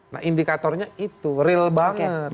nah indikatornya itu real banget